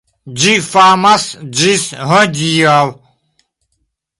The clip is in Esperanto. Ĝi famas ĝis hodiaŭ.